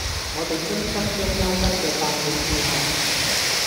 我哋真心將優質嘅帶俾顧客